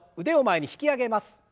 腕を前に引き上げます。